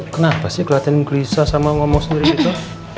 kenapa sih keliatan kelisah sama ngomong sendiri gitu